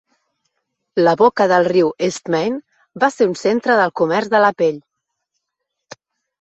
La boca del riu Eastmain va ser un centre del comerç de la pell.